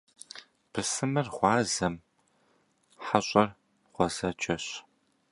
Бысымыр гъуазэм, хьэщӏэр гъуэзэджэщ.